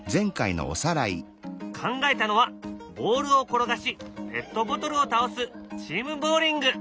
考えたのはボールを転がしペットボトルを倒す「チームボウリング」。